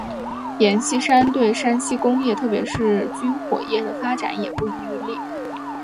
阎锡山对山西工业特别是军火业的发展也不遗余力。